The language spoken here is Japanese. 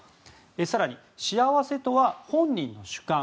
更に幸せとは本人の主観。